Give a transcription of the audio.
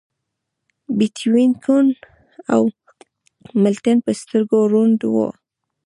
بیتووین کوڼ و او ملټن په سترګو ړوند و